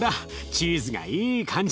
チーズがいい感じ！